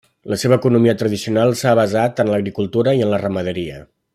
La seva economia tradicional s'ha basat en l'agricultura i en la ramaderia.